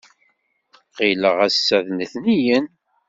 Ɣileɣ ass-a d letniyen.